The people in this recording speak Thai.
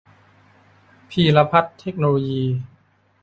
พีรพัฒน์ เทคโนโลยี